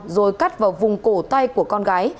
rồi cắt vào vùng cổ tay của con gái